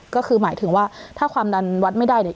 ก็คือหมายถึงว่าถ้าความดันวัดไม่ได้เนี่ย